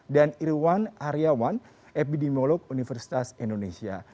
dan irwan aryawan epidemiolog universitas indonesia